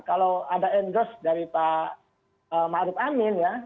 kalau ada endorse dari pak ma'ruf amin ya